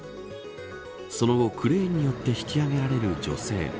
その後クレーンによって引き上げられる女性。